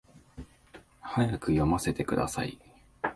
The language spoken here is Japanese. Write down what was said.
早く読ませてください